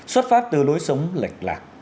xuất pháp từ lối sống lệch lạc